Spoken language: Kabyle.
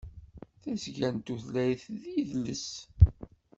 Tasga n Tutlayt d Yidles.